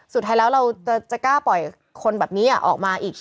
สุดท้ายแล้วเราจะกล้าปล่อยคนแบบนี้ออกมาอีก